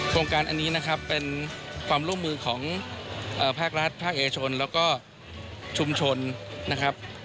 โครงการอันนี้นะครับเป็นความร่วมมือของภาครัฐภาคเอกชนแล้วก็ชุมชนนะครับ